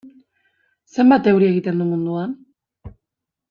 Zenbat euri egiten du munduan?